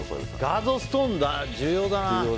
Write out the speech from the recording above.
ガードストーン重要だな。